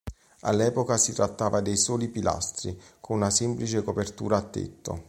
All'epoca si trattava dei soli pilastri, con una semplice copertura a tetto.